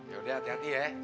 yaudah hati hati ya